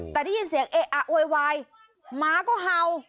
แต่ได้ยินเสียงเอ๊ะอ่ะโวยวายหมาก็เห่า